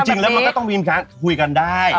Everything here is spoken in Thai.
จริงแล้วมันก็ต้องมีการคุยกันได้